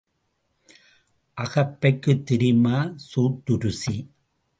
அகப்பைக்குத் தெரியுமா சோற்று ருசி?